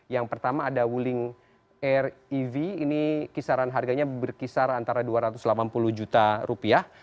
yang pertama ada wuling rev ini kisaran harganya berkisar antara dua ratus delapan puluh juta rupiah